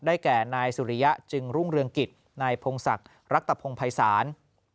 แก่นายสุริยะจึงรุ่งเรืองกิจนายพงศักดิ์รัตภงภัยศาล